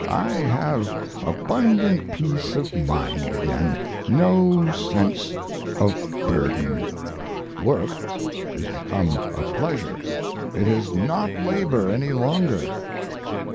I have abundant peace of mind again no sense of burden. Work is become a pleasure it is not labor any longer.